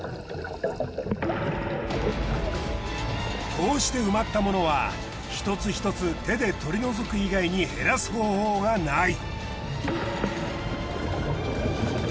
こうして埋まったものは１つ１つ手で取り除く以外に減らす方法がない。